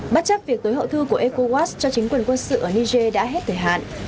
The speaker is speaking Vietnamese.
bất chấp việc tối hậu thư của ecowas cho chính quyền quân sự ở niger đã hết thời hạn